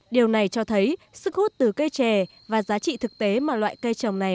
điều này cho thấy sức hút từ cây trè và giá trị thực tế mà loại cây trồng này